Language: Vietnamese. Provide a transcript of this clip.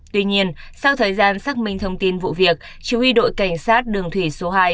tuy nhiên sau thời gian xác minh thông tin vụ việc chỉ huy đội cảnh sát đường thủy số hai